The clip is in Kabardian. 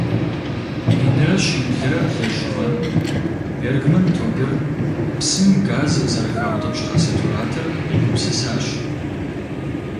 Минрэ щиблрэ блыщI гъэм Бергман Тоберн псым газ зэрыхаутIыпщхьэ сатуратор къигупсысащ.